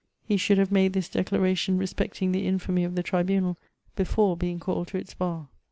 He should have made 'this declaxa; tion respecting the in£uny of the tribunal be£(n:e b^z^ called to its bar.